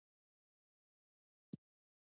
آیا موږ زحمت ایستلو ته چمتو یو؟